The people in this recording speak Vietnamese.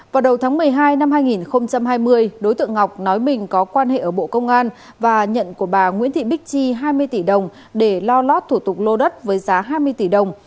vào đầu tháng một mươi hai năm hai nghìn hai mươi đối tượng ngọc nói mình có quan hệ ở bộ công an và nhận của bà nguyễn thị bích chi hai mươi tỷ đồng để lo lót thủ tục lô đất với giá hai mươi tỷ đồng